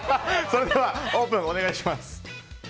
それではオープンお願いします。